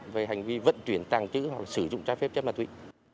về hành vi vận chuyển tàng trữ hoặc sử dụng trái phép chất ma túy